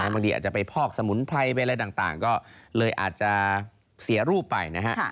บางทีอาจจะไปพอกสมุนไพรไปอะไรต่างก็เลยอาจจะเสียรูปไปนะฮะ